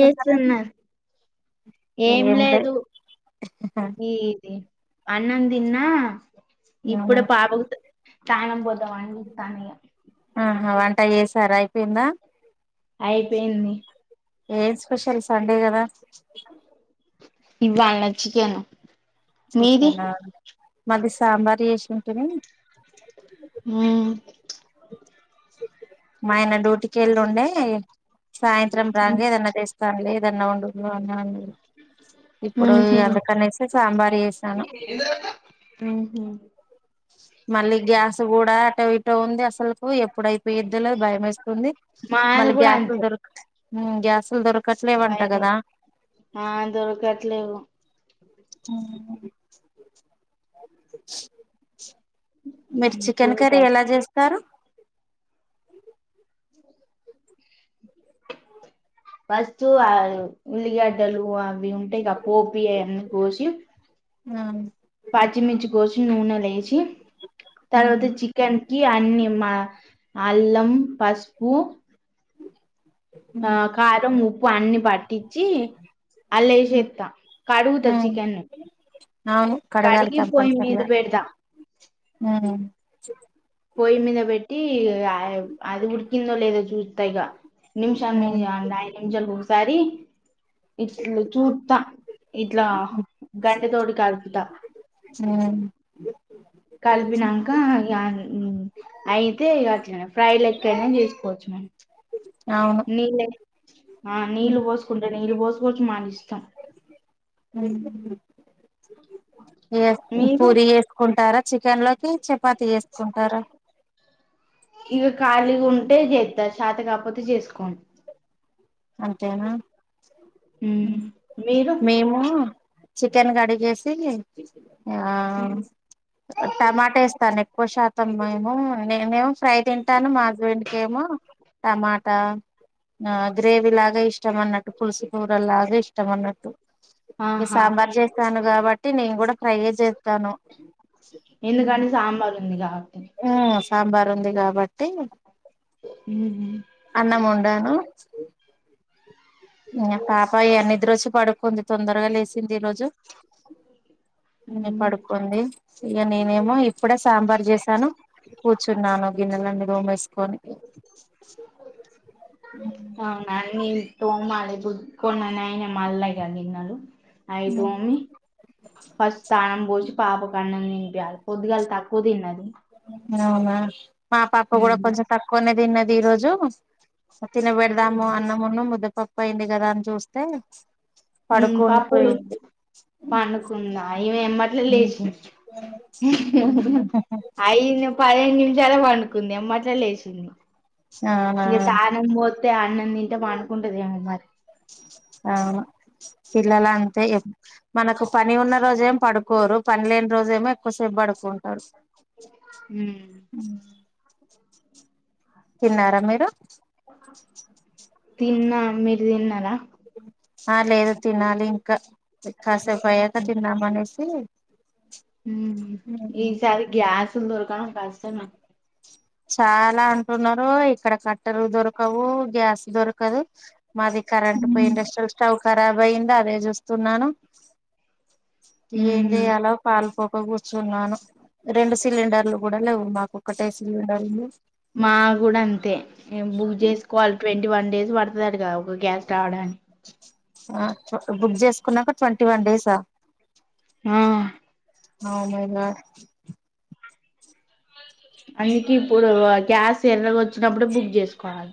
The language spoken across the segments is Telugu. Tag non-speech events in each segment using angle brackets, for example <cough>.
చేస్తున్నారండి? ఏం లేదు ఈది అన్నం తిన్నా అవునా ఇప్పుడు పాపకు తానం పోద్దామని చూత్తాన ఇగ ఆహా వంట చేసారా అయిపోయిందా అయిపోయింది ఏం స్పెషల్ సండే కదా ఇవ్వాలా చికెనా చికెనా మాది సాంబార్ చేసినుంటిని ఊ మా ఆయన డ్యూటికి వెళ్ళిండే సాయంత్రం రాంగ ఏదన్నా తస్తాం లే అ <unintelligible> ఇప్పుడు ఉహు ఎందుకనేసి సాంబారు చేసాను ఉహు మళ్ళీ గ్యాస్ కూడా అటో ఇటో ఉంది అసలుకు ఎప్పుడు అయిపోయిద్దోలే భయం వేస్తుంది మాది మళ్ళీ కూడా గ్యాసు అంతే దొరుకు గ్యాస్లు దొరక దొరకట్లేవంట కదా ఆ దొరకట్లేవు <inaudible> మీరు చికెన్ ఫుల్ కర్రీ టైట్. ఎలా చేస్తారు <inaudible> ఫస్ట్ ఆ ఉల్లిగడ్డలు అవి ఉంటయిగా పోప్ వి అయన్ని కోసి అ పచ్చిమిర్చి కోసి నూనెల ఎంచి ఉమ్, తర్వాత చికెన్ కి అన్ని అల్లం పసుపు పూ ఆ ఉమ్. కారం ఉప్పు అన్ని పట్ టిచ్చి అల్ల ఎసేత్తా కడుగుత ఉమ్ చికెన్ ని అవును కడగాలి కడిగి పోయి మీద పేడుదా హ పొయ్యి మీద పెట్టి అది ఉడికిందో లేదో చూస్తాైగా నిమిషాాల మీ ఉమ్ నిమిషాలు ఒసారి ఇట్ చూర్తా ఇట్లా గంటే తోడి కడుపుతా ఉమ్ కాలిపినాంక అగు హు అయితే ఫ ఇగ ఫ్రై అట్లనే లెక్కయినా చేసుకోవచ్చు మేడం అవును నీళ్ళ ఆ నీళ్ళు పోసుకుంటే నీళ్ళు పోసుకోవచ్చు మాని ఇష్టం హు ఇగ మీరు పూరి చేసుకుంటారా చికెన్ లోకి చపాతి చేసుకుంటారా డే చేత్త శాత కాకపోతే చేసుకు అంతేనా హు ఉమ్ మీరు మేము చికెన్ కడిగేసి ఆ ఉమ్. టమాట ఇస్తాను ఎక్కువ శాతం మేము నేనే మో ఫ్రై తింటాను మా హస్బెండ్కి ఏమో టమాటా గ్రేవీ లాగా ఇష్టంమన్నట్టు పులుసు కూూర లాగా ఇష్టంమన్నట్టు ఈ ఆహా సాంబార్ చేసాను కాబట్టి నేను కూడా ఫ్రై యే చేస్తాను ఎందుకని సాంబార్ ఉంది కాబట్టి ఆ సాంబార్ ఉంది కాబట్టి ఉహు ధను ఇగ పాప ఈగ నిద్రొచ్చి పడుకుంది తొందరగా లేసింది ఈ రోజు నేని ఉమ్. పడుకుంది ఇక నేనేమో ఇప్పుడే సాంబార్ చేసాను కూర్చున్నాను గిన్నెలన్నీ తోమేసుకొని అవు నేను తోమాల ఇప్పుడు కొన్ననాయిని మల్లా ఇగ గిన్నెలు ఐ తోమి ఫస్ట్ స్థానం పోసి పాపకు అన్నం తినిపియ్యాల పొద్దుగాల తక్కువ తిన్నది అవునా మా పాప కూడా ఉమ్ కొంచెం తక్కువనే తిన్నది రోజు తినబెడదాము అన్నమున్న ముద్దపప్పు అయింది కదా అని చూస్తే హు పాప్పులు పడుకుండిపోయింది పండుకుందా ఈమె ఎమ్మటే లేచింది అయిదు పదిహేను నిమిషాల పండుకుంది ఎమ్మట్లే లేచింది అవునా ఇగ తానంపోతే అన్నం తింటే పడుకుంటది ఏమో మరి అవును పిల్లల అంతే ఇగ మనకు పని ఉన్న రోజ ఏమ పడుకోరు పని లేని రోజ ఏమో ఎక్కువసేపు పడుకుంటాడు హు తిన్నారా మీరు తిన్నా మీరు తిన్నారా ఆ లేదు తినాలి ఇంకా కాసేపు అయ్యాక తిన్నామ అనేసి హు ఈసారి గ్యాస్ లు దొరకడం కష్టం మే చాలా అంటున్నారు ఇక్కడ కట్టెలుదొరకవు గ్యాస్ దొరకదు మాది కరెంట్ పోయి ఇండస్టయల్ స్టవ్ కర కరాబ్ అయింది అదే చూస్తున్నాను ఏం ఉమ్ చేయాలో పాాలపో కో కూర్చున్నాను రెండు సిలిండర్లు కూడా లేవు మాకు ఒకటే సిలిండర్లు మా కూడా అంతే ఏం బుక్ చేసుకోవాలి ట్వం వన్ డేస్ పడుతదటగా ఒక గ్యాస్ రావడానికి ఆ బుక్ చేసుకున్నాక ట్వంటీ వన్ డేసా ఆ అ మైన అందుకె ఇప్పుడు గ్యాస్ ఎర్రగా వచ్చినప్పుడు బుక్ చేసుకోవాలే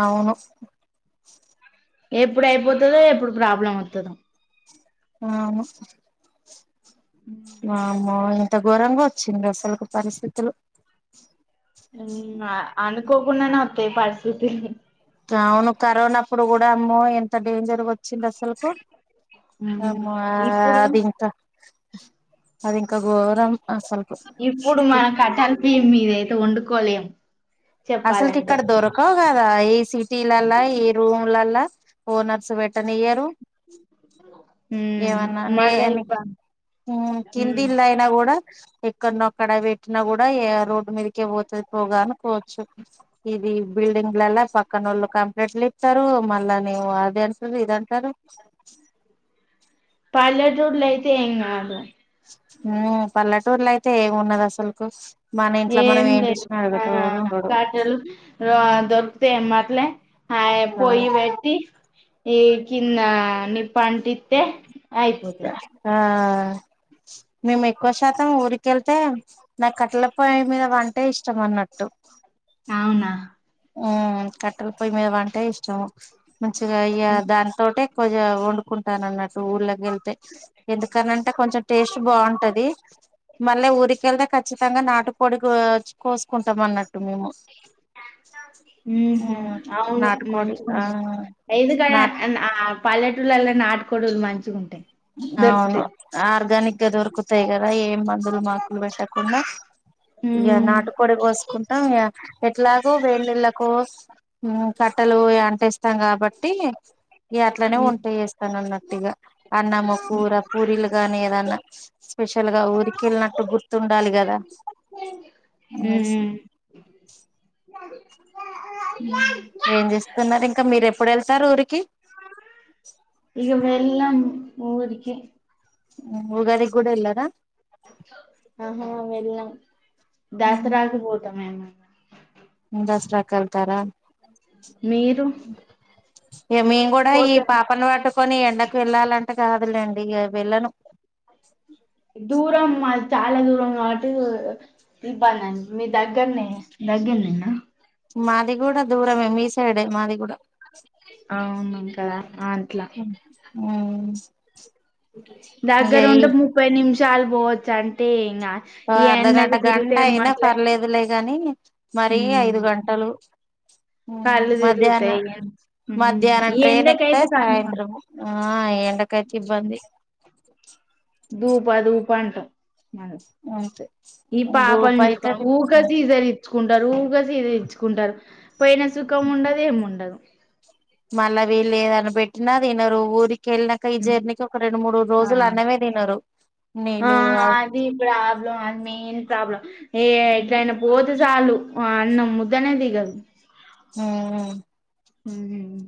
అవును ఎప్పుడు అయిపోతుందో ఎప్పుడు ప్రాబ్లం వస్తుందో అవును వామ్మో ఇంత ఘోరంగా వచ్చింది అసలుకి పరిస్థితులు హు అనుకోకుండానే వత్తాయి పరిస్థితులు అవును కరోనాప్పుడు కూడా అమ్మో ఎంత డేంజర్ వచ్చింది అసలుకు ఉమ్, ఆమో ఇప్పుడు అది ఇంకా అదిఇంకా ఘోరం అసలుకు ఇప్పుడు మనం కట్టల్పియి మీదయితే ఒండుకోలేం అసల్కిక్కడ దొరకవు కదా ఈ సిటీలల్ల ఈ రూమ్లల్ల ఓనర్స్ పెట్టనియ్యరు ఉమ్ ఏమన్న మళ్ళా నేయనీ ఇప్ప హ ఉమ్ కిందిల్లయినా గూడా ఎక్కన్నో అక్కడ పెట్టినా గూడా ఏ రోడ్డు మీదకే పోతది పోగా అనుకోవచ్చు ఇది బిల్డింగ్లల్ల పక్కనోళ్ళు కంప్లేంట్లిత్తరూ మళ్ళనేవో అదంటరు ఇదంట్ టరు పల్లెటూర్లైతే ఏంగాదు ఊ పల్లెటూర్లైతే ఏమున్నదసలుకు ఏం లేదు ఆ ఉండడు కట్టెలు రాళ్ళు దొరుకుతయ్ ఎమ్మట్లే ఆ పొయ్యి పెట్టి ఇగ కిందా నిప్పంటిత్తే అయిపోతది ఆ మేమెక్కువ శాతం ఊరికెళ్తే నాక్కట్టలపొయ్యి మీద వంటే ఇష్టం అన్నట్టు అవునా ఊ కట్టెల పొయ్యి మీద వంటే ఇష్టము మంచిగా ఇగ ఉమ్ దాంతోటి పొయ్యా ఒండుకుంటానన్నట్టు ఊర్ళకెళ్తె ఎందుకననంటె కొంచెం టేస్ట్ బావుంటదీ మళ్ళ ఊరికెళ్తే ఖచ్చితంగ నాటుకోడి కోచ్ కోసుకుంటం అన్నట్టు మేము ఊహు అవును నాటుకోడి ఆ మంచిగుంటది ఏంటిదిరా నాట్ అన్న అ ఆ పల్ ల్లెటూర్లల్ల నాటు కోడులు మంచిగుంటయ్ అవును ఆర్గనిక్గా దొరుకుతయ్ గదా ఈ మందు మాకూ పెట్టకుండా ఇగ ఉమ్ నాటుకోడి సుకుంటం ఇగ ఎట్లాగో వేనిళ్ళకో ఉమ్ కట్టల వొయ్యి అంటి త్తం కాబట్టీ ఇగట్లనే వంట చేస్తనన్నట్టిగ ఆమ కూర పూరీలు గానీ ఏదన్నా స్పెషల్ గా ఊరికెళ్ళినట్టు గుర్తుండాలి గదా ఊ ష్ ఏంజేస్తున్నరు ఇంకా మీరెప్పుడెళ్తారు ఊరి ఇగ మేంగని ఊరికే ఉగాది గూడెల్లరా ఆహా వెళ్లం దాసరాకుపోతం మేం దసరాకళ్తారా మీరు ఇగ మేంగూడ ఈ పోతారా పాపను పట్టుకొని ఎండకు వెళ్ళాలంటే త కాదులేండి ఇగ వెళ్ళను దూరం మళ్ చాలా దూరం కావట్టి ఇబ్బందైంది మీ దగ్గర్నే దగ్గరనేనా మాది గూడ దూరమే మీ సైడే మాది గుడ అవునింక ఊ దగ్గరుంటె ముప్పై నిమిషాలు పోవచ్చంతే ఓ అర్ధగంట గంట అయినా పర్లేదులే గానీ మరీ హ్మ్ ఐదు గంటలు ఊ కళ్ళు మధ్యాహ్న తిరుగుతాయి హ్మ్ మధ్యాహ్నం ఈ ట్రైన్ ఎక్తే ఎండకైతే కన్ఫామ్ సాయంత్రము ఈ ఎండకైతిబ్బంది దూపా దూపాంటం అంతే ఈ పాపని తీసుకోని దూపైతది ఊక చీదరిచ్చుకుంటరు ఊక చీదరిచ్చుకుంటరు పోయిన సుఖం ఉండదు ఏం ఉండదు. మళ్ళా వీళ్ళు ఏదన్న పెట్టినా తినరు ఊరి కెళ్ళినాక ఈ ఉమ్. జర్నీకి ఒక రెండు మూడు ఆ రోజులు అన్నమే తినరు. ఆ నీళ్ళు అది ప్రాబ్లం అది మెయిన్ ప్రాబ్లం ఏ ఎట్లయినా పోతే సాలూ ఆ అన్నం ముద్దనే దిగదు. మ్ మ్ మ్మ్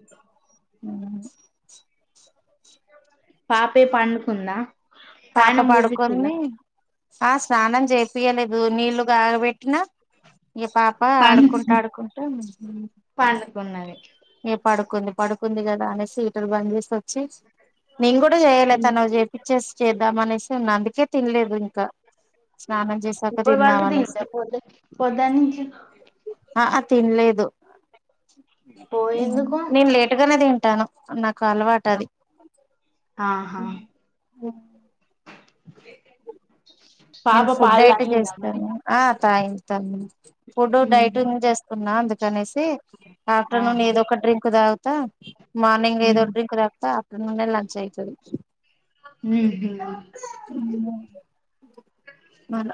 అవును. పాపే పండుకుందా పాప తానం పోపిచ్చిల్లా పడుకుంది. ఆ స్నానం చేపియలేదు నీళ్లు కాగబెట్టినా ఇగ పాప పం ఆడుకుంటా ఆడుకుంటా మ్ హు పండుకున్నది ఇగ పడుకుంది పడుకుంది గదా అనేసి హీటర్ బంద్ చేసొచ్చి నేను కూడా చేయలే ఉమ్ తనకి చేపిచ్చేసి చేద్దాం అనేసి ఉన్నా అందుకే తిన్లేదు ఇంకా స్నానం చేసాక ఇప్పుడు పడుకుదింద తిందామనేసి పొద్దు పొద్దనుంచి ఆ ఆ తిన్లేదు. పో మ్. ఎందుకు నేను లేటుగానే తింటాను నాక్ కలవాటది. ఆహా పాప నేను ఫుడ్ పాలు డైట్ తాగిందా మరి చేస్తాను. ఆ తాగింది తను ఫుడ్ ఉహు డైటింగ్ చేస్తున్నా అందుకనేసి ఆఫ్టర్నూన్ ఆహా ఏదో ఒక డ్రింక్ తాగు తా మార్నింగ్ ఏదో ఉమ్ డ్రింక్ తాగుతా ఆఫ్టర్నూనే లంచ్ అయితది. మ్ హూ మళ్ళ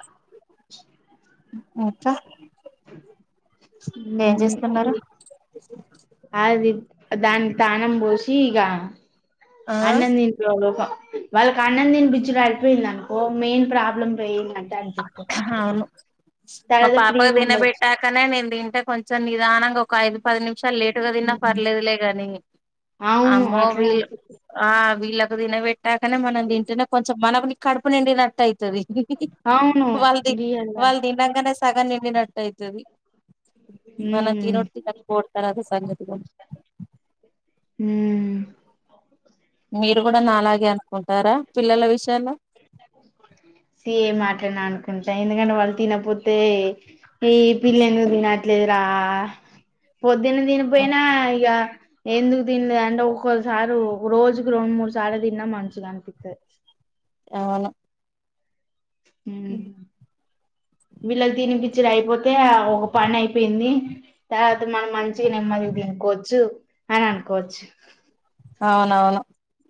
<unintelligible> ఏం మ్మ్ చేస్తున్నారు అది దానికి తానం పోసి ఇగ ఆ అన్నం తింట్లోలో వాళ్ళకి అన్నం తినిపిచ్చుడు అయిపోయిందనుకో మెయిన్ ప్రాబ్లం పోయిందంటే అని చెప్తా అవును మా పాపకి తినబెట్టాకనే నేను తింటే కొంచెం నిదానంగా ఒక ఐదు పది నిమి షాలు లేటుగా తిన్నా పర్లేదులే గాని అవును అమ్మో అట్లనే వీల్ అనిపిత్తది ఆ వీళ్ళ తినబెట్టాకనే మనం తింటేనే కొంచెం మనుకుని కడుపు నిండినట్టయితది. అవును వాళ్ళు ది రియల్ గా వాళ్ళు దీన్నంకనే సగం నిండినట్టైతది. మనం ఉమ్ తినుడు తినకపోవుడు తర్వాత సంగతి గాని మ్ మీరు కూడా నాలాగే అనుకుంటారా పిల్లల విషయంలో సేమ్ అట్లనే అనుకుంటా ఎందుకంటే వాళ్ళు తినకపోతే ఈ పిల్లెందుకు తినట్లే దేరా పొద్దున్న తినిపోయినా ఇగ ఎందుకు తినలే అంటే ఒక్కొసారి ఒక రోజుకు రెండు మూడు సార్లు తిన్నా మంచిగనిపిత్తది. అవును. మ్ వీళ్ళకి తినిపిచ్చుడు అయిపోతే ఆ ఒక పని అయిపోయింది. తర్వాత మనం మంచిగ నెమ్మదిగ తినుకోవచ్చు అని అనుకోవచ్చు. అవునవును.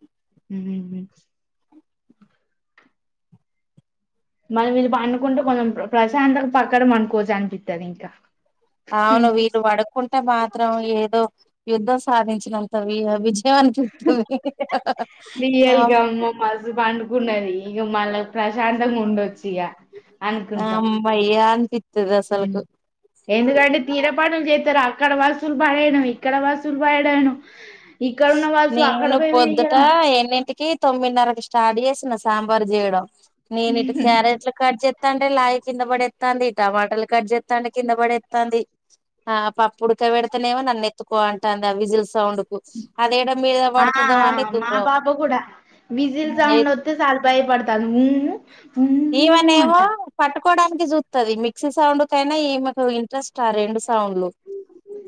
మ్మ్. మళ్ళీ వీళ్ళు పనుకుంటే కొంచెం ప్ర ప్రశాంతంగా పక్కన పనుకోవచ్చు అనిపిత్తది ఇంక అవును వీళ్ళు పడుకుంటే మాత్రం ఏదో యుద్ధం సాధించినంత వి విజయ్ య అనిపిత్తది. రియల్ అవును. ఇగ మళ్ళ ప్రశాంతంగుండొచ్చు ఇగ అనుకుంటాం అమ్మయ్యా అనిపిత్తది మ్ అసలుకు ఎందుకంటే తీర పనులు చేత్తరు అక్కడ వస్తులు పడేయను ఇక్కడ వస్తులు పడేయను. నేను పొద్దుట ఎన్నింటికి తొమ్మిదిన్నరకి ఇష్ స్టార్ట్ చేసిన సాంబార్ చేయడం నేను ఇటు క్యారెట్లు కట్ చే త్తంటే లాయ కింద పడేత్తంది టమాటలు కట్ చేత్తంటే కింద పడేత్తంది ఆ పప్పు ఉడుక పెడితేనేమో నన్ను ఎత్తుకో అంటంది ఆ విజిల్ సౌండ్కు అది ఏడ మీద ఆ పడుతదో అని మా దూరం పాప కూడా బిజిల్ ఏ సౌండ్ వత్తే చాలు భయపడతాంది ఊ ఊ ఈవన్ ఏవో అంటాంది పట్టుకోవడానికి చూత్తది మిక్సీ సౌండ్ కైనా ఈమెకు ఇంట్రెస్ట్ ఆ రెండుస్ సౌండ్లు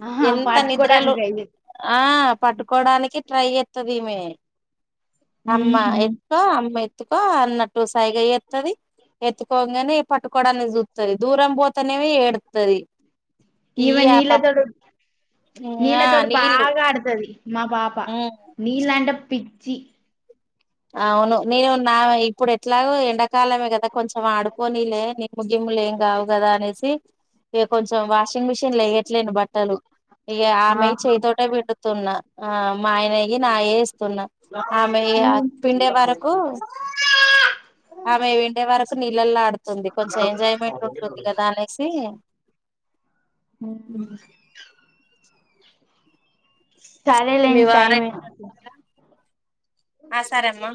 ఆహా ఎంత నిద్రలు పట్టుకోడానికి లేదు ఆ పట్టుకోడానికి ట్రై చెత్తది ఈమే అమ్మా ఉహు ఎత్తుకో అమ్మ తుకో అన్నట్టు సైగ చే త్తది ఎత్తుకోగానే పట్టుకోవడానికి చూత్తది దూరం పోతేనేమో ఏడుత్తది ఇవ ఇయ్యి ఆ నీల పప్ దొడు నీల ఆ దొడ్డు నీళ్ళు బాగా ఆడుతది మా పాపా నీళ్ళంటే పిచ్చి అవును నేను నా ఇప్పుడు ఎట్లాగో ఎండాకాలమే కదా కొంచెం ఆడుకోనిలే ని ముగ లు ఏం కావు కదా అనేసి ఇ కొంచెం వాషింగ్ మిషిన్ లో వేయట్లేను బట్టలు ఇగ ఆమె ఆ చేతోటే విండుతున్న ఆ మా ఆయనవి నాయి ఏస్తా తున్నా ఆమె యా పిండే వరకు ఆమె పిండే వరకు నీళ్లలా ఆడుతుంది కొంచెం ఎంజాయ్మెంట్ ఉంటుంది కదా అనేసి ఉ సారే మీ లెండి టైం వారు ఆ సరేమ్మా